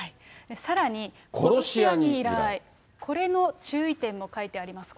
さらに、殺し屋に依頼、これの注意点も書いてあります。